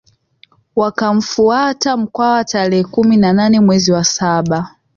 Wakamfuata Mkwawa tarehe kumi na nane mwezi wa saba